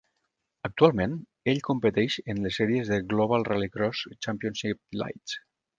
Actualment, ell competeix en les sèries de Global RallyCross Championship Lites.